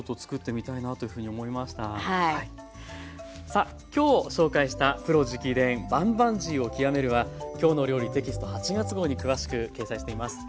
さあ今日紹介した「プロ直伝バンバンジーを極める」は「きょうの料理」テキスト８月号に詳しく掲載しています。